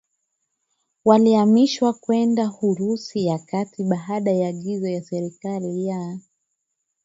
walihamishwa kwenda Urusi ya Kati baada ya agizo la Serikali ya